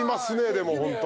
でもホントに。